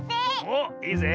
おっいいぜ。